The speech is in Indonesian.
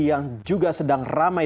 yang juga sedang ramai